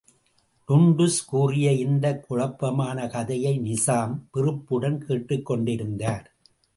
டுன்டுஷ் கூறிய இந்தக் குழப்பமான கதையை நிசாம், வெறுப்புடன் கேட்டுக் கொண்டிருந்தார்.